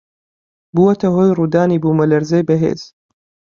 بووەتە هۆی ڕوودانی بوومەلەرزەی بەهێز